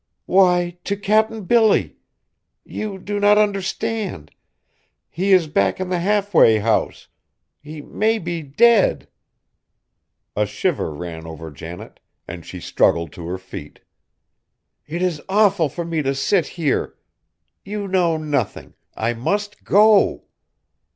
"Why, to Cap'n Billy. You do not understand. He is back in the halfway house. He may be dead!" A shiver ran over Janet, and she struggled to her feet. "It is awful for me to sit here! You know nothing. I must go!"